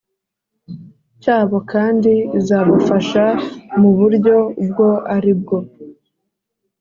Cyabo kandi izabafasha mu buryo ubwo aribwo